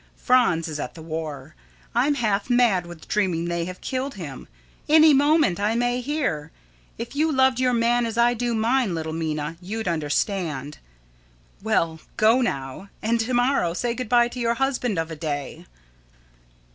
Franz is at the war. I'm half mad with dreaming they have killed him. Any moment I may hear. If you loved your man as I do mine, little Minna, you'd understand.' Well, go now, and to morrow say good by to your husband of a day.